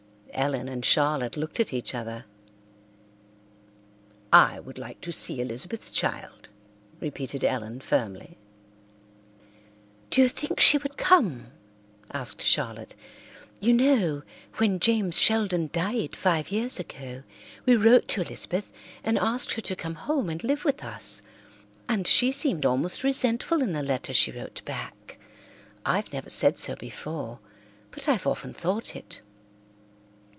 Ellen and Charlotte looked at each other. "I would like to see Elizabeth's child," repeated Ellen firmly. "Do you think she would come?" asked Charlotte. "You know when James Sheldon died five years ago, we wrote to Elizabeth and asked her to come home and live with us, and she seemed almost resentful in the letter she wrote back. I've never said so before, but I've often thought it."